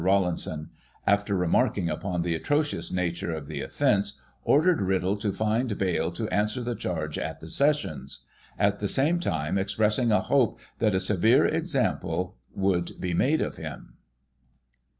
Rawlinson, after remarking upon the atrocious nature of the offence, ordered Riddle to find bail to answer the charge at the Sessions ; at the same time expressing a hope that a severe example would be made of him.